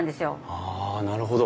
あなるほど。